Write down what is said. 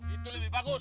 itu lebih bagus